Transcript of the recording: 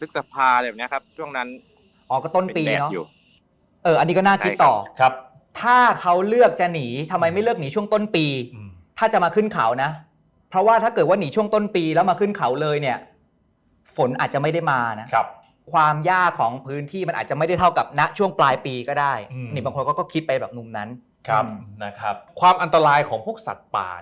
ช่วงนั้นอ๋อก็ต้นปีเนาะอันนี้ก็น่าคิดต่อครับถ้าเขาเลือกจะหนีทำไมไม่เลือกหนีช่วงต้นปีถ้าจะมาขึ้นเขานะเพราะว่าถ้าเกิดว่าหนีช่วงต้นปีแล้วมาขึ้นเขาเลยเนี่ยฝนอาจจะไม่ได้มานะครับความยากของพื้นที่มันอาจจะไม่ได้เท่ากับณช่วงปลายปีก็ได้นี่บางคนก็คิดไปแบบมุมนั้นครับนะครับความอันตรายของพวกสัตว์ป่า